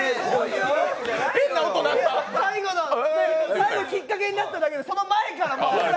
最後きっかけになっただけで、その前から。